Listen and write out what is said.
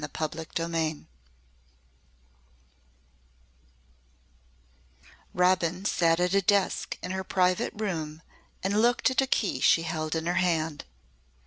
CHAPTER III Robin sat at the desk in her private room and looked at a key she held in her hand.